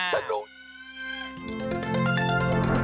สวัสดีค่ะ